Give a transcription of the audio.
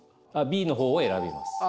Ｂの方を選びます。